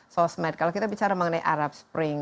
sosmed kalau kita bicara mengenai arab spring